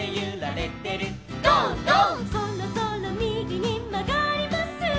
「そろそろみぎにまがります」